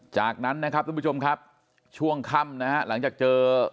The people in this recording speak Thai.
จากนั้นนะครับทุกผู้ชมครับช่วงค่ำนะฮะหลังจากเจอ